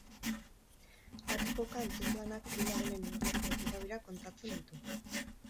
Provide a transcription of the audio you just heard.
Ate joka antzezlanak bi lagunen inguruko tirabirak kontatzen ditu.